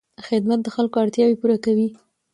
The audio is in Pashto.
خدمت د خلکو اړتیاوې پوره کوي.